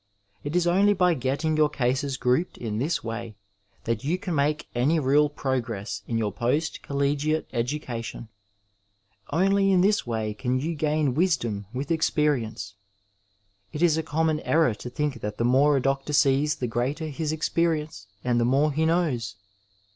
It is only by getting your cases grouped in this way that you can make any real progress in your post coUegiate education ; only in this way can you gain wisdom with experience. It is a common error to think that the more a doctor sees the greater his experience and the more he knows.